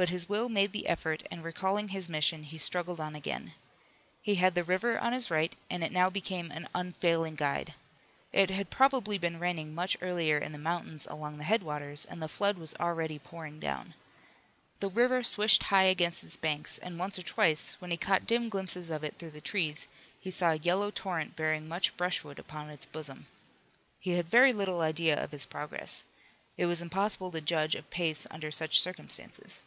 But his will made the effort, and recalling his mission he struggled on again. He had the river on his right, and it now became an unfailing guide. It had probably been raining much earlier in the mountains along the headwaters and the flood was already pouring down. The river swished high against its banks and once or twice, when he caught dim glimpses of it through the trees, he saw a yellow torrent bearing much brushwood upon its bosom. He had very little idea of his progress. It was impossible to judge of pace under such circumstances.